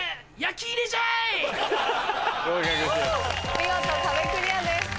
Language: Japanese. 見事壁クリアです。